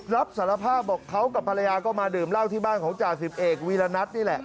รับสารภาพบอกเขากับภรรยาก็มาดื่มเหล้าที่บ้านของจ่าสิบเอกวีรณัทนี่แหละ